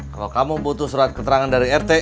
kalau kamu butuh surat keterangan dari rt